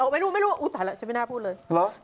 ไม่รู้ไม่รู้ฉันไม่น่าพูดเลย